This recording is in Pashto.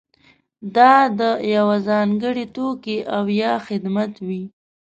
دا د یوه ځانګړي توکي او یا خدمت وي.